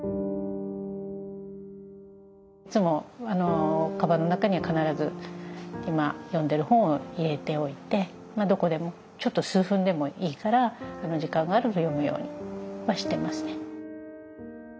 いつもカバンの中には必ず今読んでる本を入れておいてどこでもちょっと数分でもいいから時間があると読むようにしてますね。